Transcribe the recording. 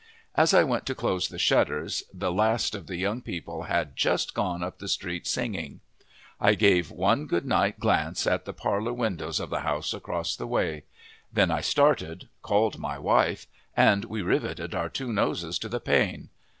As I went to close the shutters, the last of the young people had just gone up the street singing. I gave one good night glance at the parlor windows of the house across the way. Then I started, called my wife, and we riveted our two noses to the pane.